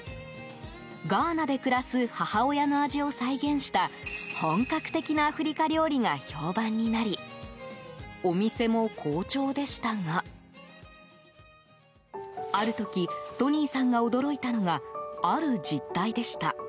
ガーナで暮らす母親の味を再現した本格的なアフリカ料理が評判になりお店も好調でしたがある時、トニーさんが驚いたのがある実態でした。